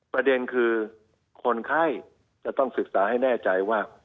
ประเด็นคือคนไข้จะต้องศึกษาให้แน่ใจว่า